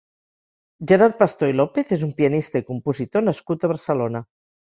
Gerard Pastor i López és un pianista i compositor nascut a Barcelona.